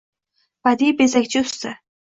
Badiiy bezakchi usta